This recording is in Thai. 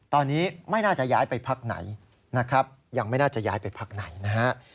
ตอนนี้ไม่น่าจะย้ายไปพักไหนนะครับยังไม่น่าจะย้ายไปพักไหนนะฮะ